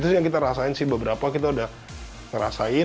itu yang kita rasain sih beberapa kita udah ngerasain